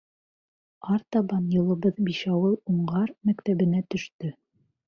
Артабан юлыбыҙ Бишауыл-Уңғар мәктәбенә төштө.